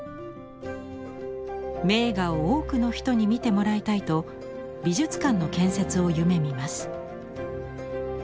名画を多くの人に見てもらいたいと美術館の建設を夢みます。